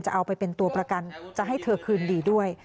เอาไปเป็นตัวประกันจะให้เธอคืนดีด้วย